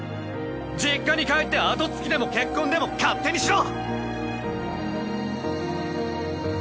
実家に帰って跡継ぎでも結婚でも勝手にしろ！